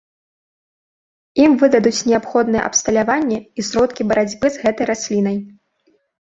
Ім выдадуць неабходнае абсталяванне і сродкі барацьбы з гэтай раслінай.